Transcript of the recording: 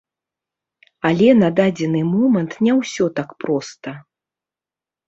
Але на дадзены момант не ўсё так проста.